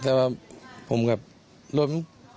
แต่ว่าผมแบบรูป